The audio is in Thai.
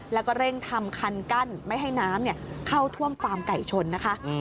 แล้วก็เร่งทำคันกั้นไม่ให้น้ำเข้าท่วมฟาร์มไก่ชนนะคะ